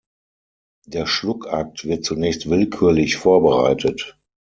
Der Schluckakt wird zunächst willkürlich vorbereitet.